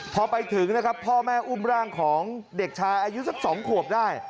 พอไปถึงนะครับพ่อแม่อุ้มร่างของเด็กชายอายุสัก๒ขวบได้